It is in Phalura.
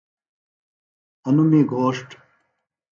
انوۡ می گھوݜٹ۔